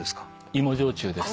芋焼酎です。